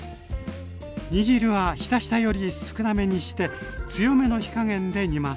煮汁はひたひたより少なめにして強めの火加減で煮ます。